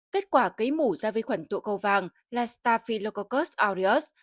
kết quả cấy mũ ra vi khuẩn tụ cầu vàng là staphylococcus aureus